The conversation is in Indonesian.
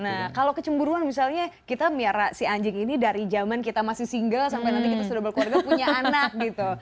nah kalau kecemburuan misalnya kita meyara si anjing ini dari zaman kita masih single sampai nanti kita sudah berkeluarga punya anak gitu